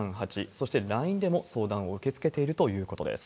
そしてＬＩＮＥでも相談を受け付けているということです。